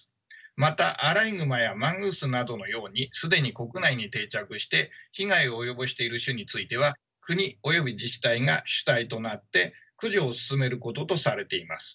またアライグマやマングースなどのように既に国内に定着して被害を及ぼしている種については国および自治体が主体となって駆除を進めることとされています。